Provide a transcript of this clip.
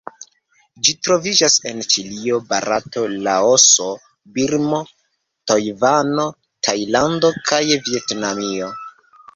Ĝi troviĝas en Ĉinio, Barato, Laoso, Birmo, Tajvano, Tajlando kaj Vjetnamio.